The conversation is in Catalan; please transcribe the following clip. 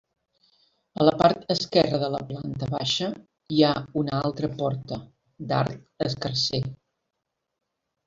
A la part esquerra de la planta baixa hi ha una altra porta, d'arc escarser.